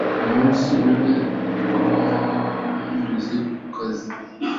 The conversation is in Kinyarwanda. umunsi umwe twanyuze ku kazi